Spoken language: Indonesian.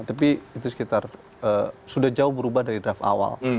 tapi itu sekitar sudah jauh berubah dari draft awal